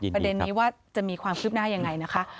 ประเด็นนี้ว่าจะมีความคืบหน้ายังไงนะคะ